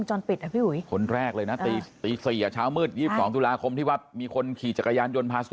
ซอร์โรคนแรกเลยนะตี๔นเช้ามืด๒๒นที่วัฒน์